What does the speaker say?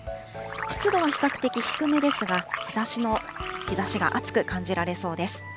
湿度は比較的低めですが、日ざしが暑く感じられそうです。